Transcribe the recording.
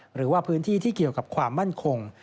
หรือว่าพื้นที่ที่เกี่ยวกับความมั่นคง